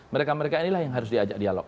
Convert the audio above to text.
mereka mereka inilah yang harus diajak dialog